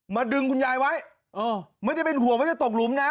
ดึงคุณยายไว้ไม่ได้เป็นห่วงว่าจะตกหลุมนะ